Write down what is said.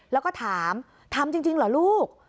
แล้วก็ถามทำจริงเหรอลูก